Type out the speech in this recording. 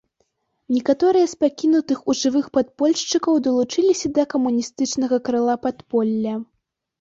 Некаторыя з пакінутых у жывых падпольшчыкаў далучыліся да камуністычнага крыла падполля.